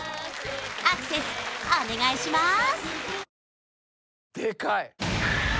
アクセスお願いします